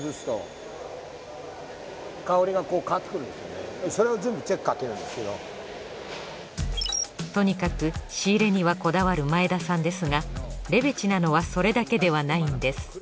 とにかく仕入れにはこだわる前田さんですがレベチなのはそれだけではないんです